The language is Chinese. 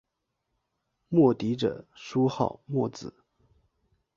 墨翟着书号墨子。